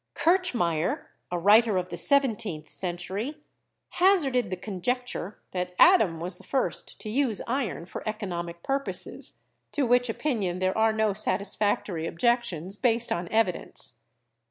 Kirchmaier, a writer of the seventeenth century, haz arded the conjecture that Adam was the first to use iron for economic purposes, to which opinion there are no satis factory objections based on evidence.